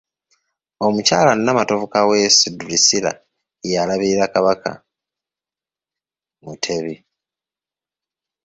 Omukyala Nnamatovu Kaweesi Drusilla ye eyalabirira Kabaka Mutebi.